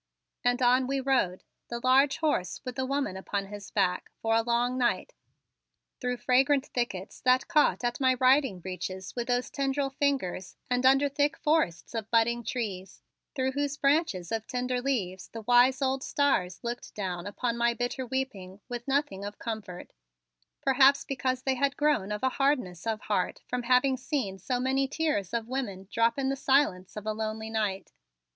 And on we rode, the large horse with the woman upon his back, for a long night, through fragrant thickets that caught at my riding breeches with rose tendril fingers and under thick forests of budding trees, through whose branches of tender leaves the wise old stars looked down upon my bitter weeping with nothing of comfort, perhaps because they had grown of a hardness of heart from having seen so many tears of women drop in the silence of a lonely night.